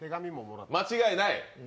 間違いない？